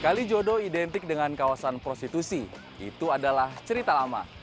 kalijodo identik dengan kawasan prostitusi itu adalah cerita lama